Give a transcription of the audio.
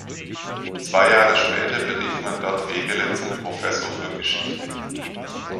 Zwei Jahre später berief man dort Wegele zum „Professor für Geschichte“.